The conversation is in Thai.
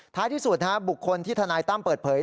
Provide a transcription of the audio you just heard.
ท้ายที่สุดบุคคลที่ทนายตั้มเปิดเผย